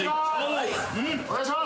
お願いします。